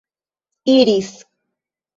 iris